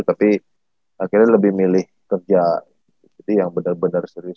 tapi akhirnya lebih milih kerja yang bener bener serius